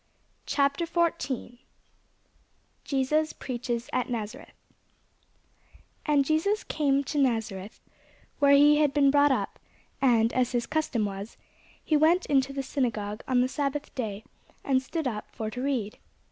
CHAPTER 14 JESUS PREACHES AT NAZARETH [Sidenote: St. Luke 4] AND Jesus came to Nazareth, where he had been brought up: and, as his custom was, he went into the synagogue on the sabbath day, and stood up for to read.